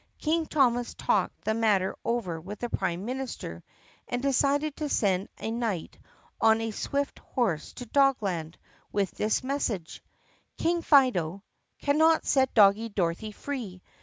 King Thomas talked the matter over with the prime minister and decided to send a knight on a swift horse to Dogland with this message : King Fido : Cannot set Doggie Dorothy free.